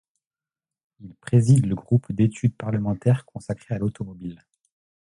Il préside le groupe d'étude parlementaire consacré à l'automobile.